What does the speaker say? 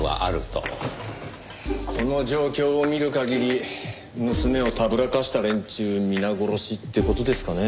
この状況を見る限り娘をたぶらかした連中皆殺しって事ですかね？